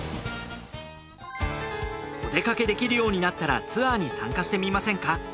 お出かけできるようになったらツアーに参加してみませんか？